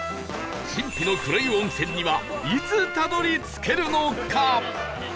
神秘の黒湯温泉にはいつたどり着けるのか？